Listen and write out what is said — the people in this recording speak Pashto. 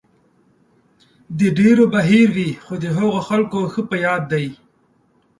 د ډېرو به هېر وي، خو د هغو خلکو ښه په یاد دی.